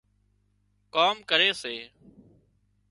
ڪام ڪري سي